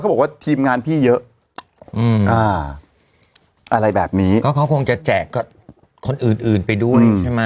บอกว่าทีมงานพี่เยอะอืมอ่าอะไรแบบนี้ก็เขาคงจะแจกกับคนอื่นอื่นไปด้วยใช่ไหม